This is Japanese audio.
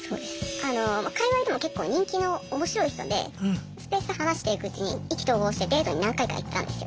あの界わいでも結構人気の面白い人でスペースで話していくうちに意気投合してデートに何回か行ったんですよ。